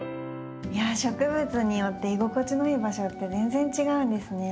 植物によって居心地のいい場所って全然違うんですね。